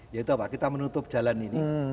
yaitu apa kita menutup jalan ini